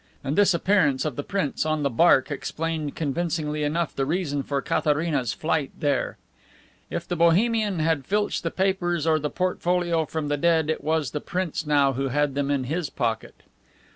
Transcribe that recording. And this appearance of the prince on the Barque explained convincingly enough the reason for Katharina's flight here. If the Bohemian had filched the papers or the portfolio from the dead, it was the prince now who had them in his pocket.